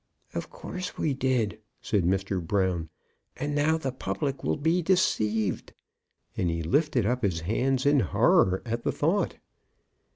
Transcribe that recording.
"Of course we did," said Mr. Brown; "and now the public will be deceived!" And he lifted up his hands in horror at the thought.